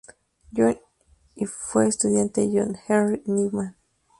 John y fue estudiante de John Henry Newman.